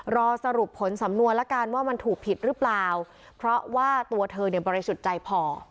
รอสรุปผลสำนวนละกันว่ามันถูกผิดหรือเปล่าเพราะว่าตัวเธอเนี่ยบริสุทธิ์ใจพอ